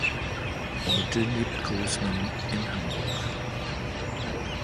Heute lebt Großmann in Hamburg.